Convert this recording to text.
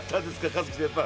一樹先輩！